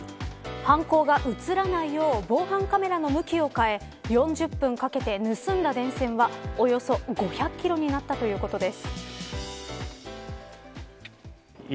犯行が映らないよう防犯カメラの向きを変え４０分かけて盗んだ電線はおよそ５００キロになったということです。